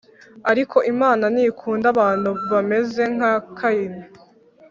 Ariko Imana ntikunda abantu bameze nka Kayini